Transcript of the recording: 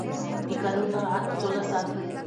د قانون مراعت سوله ساتي